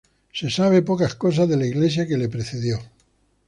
Se saben pocas cosas de la iglesia que le precedió.